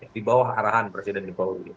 di bawah arahan presiden jokowi